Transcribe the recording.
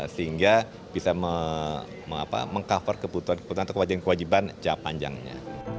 sehingga bisa meng cover kebutuhan kebutuhan atau kewajiban kewajiban japa panjangnya